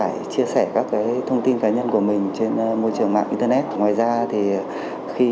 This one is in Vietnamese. hãy chia sẻ các thông tin cá nhân của mình trên môi trường mạng internet ngoài ra thì khi